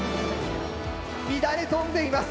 乱れ飛んでいます！